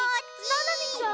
ななみちゃん？